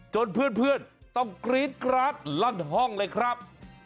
เพื่อนต้องกรี๊ดกราดลั่นห้องเลยครับ